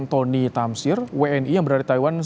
tony tamsir wni yang berada di taiwan